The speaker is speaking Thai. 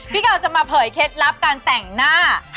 กาวจะมาเผยเคล็ดลับการแต่งหน้า